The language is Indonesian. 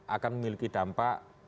akan memiliki dampak